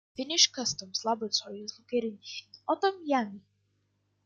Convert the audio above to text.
The Finnish Customs laboratory is located in Otaniemi.